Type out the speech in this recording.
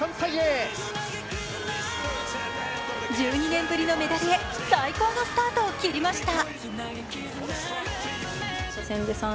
１２年ぶりのメダルへ、最高のスタートを切りました。